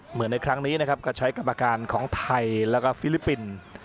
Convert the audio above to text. ในครั้งนี้นะครับก็ใช้กรรมการของไทยแล้วก็ฟิลิปปินส์